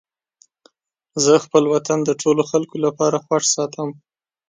زه خپل وطن د ټولو خلکو لپاره خوښ ساتم.